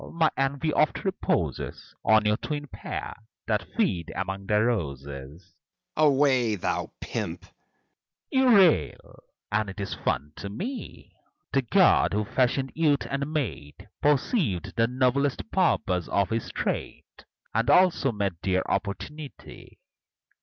My envy oft reposes On your twin pair, that feed among the roses. FAUST Away, thou pimp! MEPHISTOPHELES You rail, and it is fun to me. The God, who fashioned youth and maid, Perceived the noblest purpose of His trade, And also made their opportunity.